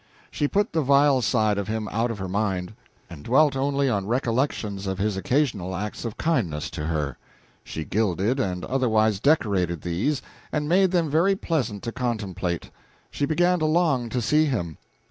She put the vile side of him out of her mind, and dwelt only on recollections of his occasional acts of kindness to her. She gilded and otherwise decorated these, and made them very pleasant to contemplate. She began to long to see him.